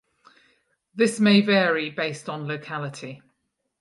This may vary based on locality